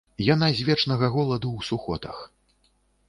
Яна з вечнага голаду ў сухотах.